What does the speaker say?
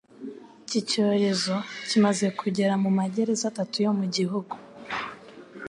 ki cyorezo kimaze kugera mu magereza atatu yo mu gihugu,